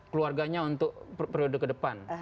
keluarganya untuk periode kedepan